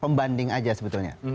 pembanding saja sebetulnya